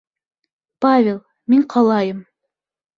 Павел, мин ҡалайым...